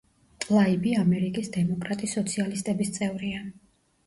ტლაიბი ამერიკის დემოკრატი სოციალისტების წევრია.